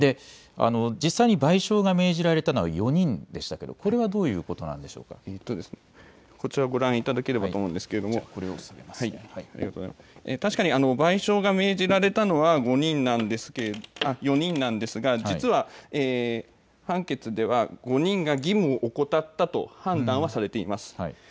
実際に賠償が命じられたのは４人でしたけれども、これはどういうこちらをご覧いただければと思うんですけど、確かに賠償が命じられたのは４人なんですが、実は判決では、５人が義務を怠ったと判断はされています。